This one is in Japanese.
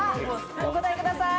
お答えください。